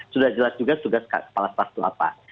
sudah jelas juga tugas kepala selastu apa